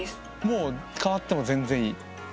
もう変わっても全然いい？